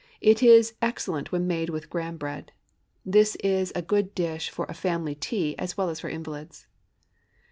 It is excellent when made of Graham bread. This is a good dish for a family tea as well as for invalids.